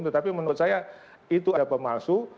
tetapi menurut saya itu ada pemalsu